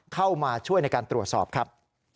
เข้ามาช่วยในการตรวจสอบครับ